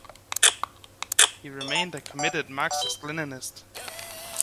He remained a committed Marxist-Leninist.